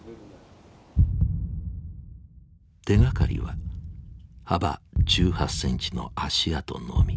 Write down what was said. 手がかりは幅１８センチの足跡のみ。